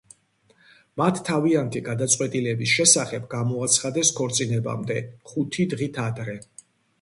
მათ თავიანთი გადაწყვეტილების შესახებ გამოაცხადეს ქორწინამდე ხუთი დღით ადრე.